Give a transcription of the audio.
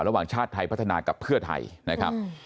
ชาติไทยพัฒนากับเพื่อไทยนะครับ